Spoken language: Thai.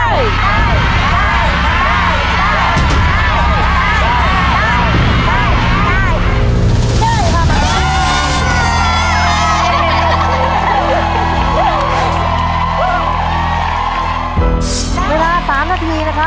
ใช้เวลามา๓นาทีฝวง